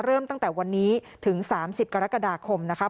เริ่มตั้งแต่วันนี้ถึง๓๐กรกฎาคมนะคะ